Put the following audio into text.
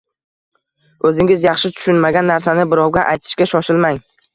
Oʻzingiz yaxshi tushunmagan narsani birovga aytishga shoshilmang